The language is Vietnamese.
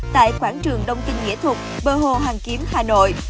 tại quảng trường đông kinh nghĩa thục bờ hồ hoàn kiếm hà nội